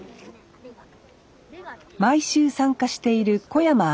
毎週参加している小山杏奈さん